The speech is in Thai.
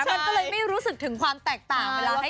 มันก็เลยไม่รู้สึกถึงความแตกต่างเวลาให้